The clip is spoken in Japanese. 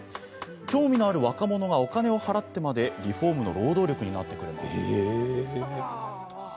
興味のある若者がお金を払ってまでリフォームの労働力になってくれます。